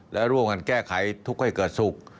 และร่วมกันแก้ไขทุกข์ให้เกิดสุข